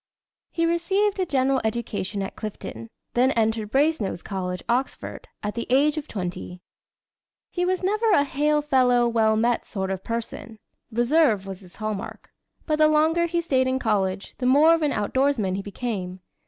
He received a general education at Clifton, then entered Brasenose College, Oxford, at the age of twenty. He was never a "hail fellow well met" sort of person. Reserve was his hallmark. But the longer he stayed in college, the more of an outdoorsman he became.